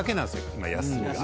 今休みが。